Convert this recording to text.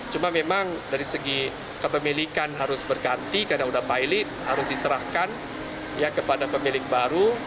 jadi kepemilikan harus berganti karena sudah pilot harus diserahkan kepada pemilik baru